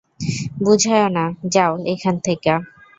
বুঝায়ো না, যাও এইখান থেইক্কা।